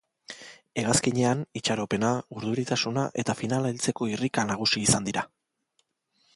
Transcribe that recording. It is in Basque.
Hegazkinean itxaropena, urduritasuna eta finala heltzeko irrika nagusi izan dira.